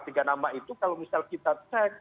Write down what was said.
tiga nama itu kalau misal kita cek